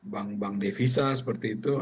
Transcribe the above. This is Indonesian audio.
bank bank devisa seperti itu